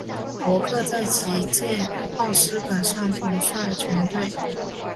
伯克在旗舰奥斯本上统帅全队。